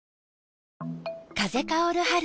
風薫る春。